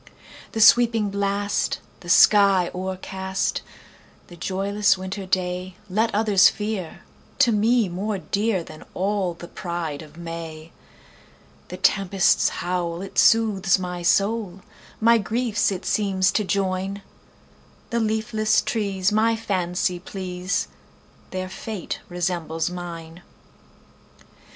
"The sweeping blast, the sky o'ercast,"The joyless winter dayLet others fear, to me more dearThan all the pride of May:The tempest's howl, it soothes my soul, My griefs it seems to join; The leafless trees my fancy please, Their fate resembles mine!